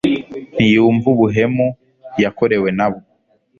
ntiyumva ubuhemu; yakorewe nabo